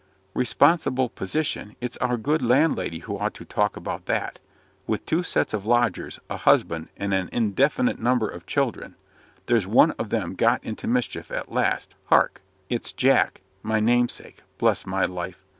"Responsible position! It's our good landlady who ought to talk about that. With two sets of lodgers, a husband, and an indefinite number of children. There's one of them got into mischief at last. Hark!" "It's Jack, my namesake. Bless my life!